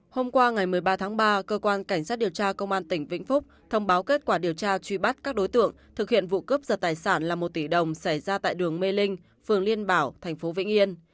hôm qua ngày một mươi ba tháng ba cơ quan cảnh sát điều tra công an tỉnh vĩnh phúc thông báo kết quả điều tra truy bắt các đối tượng thực hiện vụ cướp giật tài sản là một tỷ đồng xảy ra tại đường mê linh phường liên bảo thành phố vĩnh yên